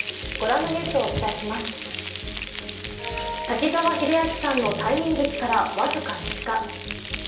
滝沢秀明さんの退任劇から僅か３日。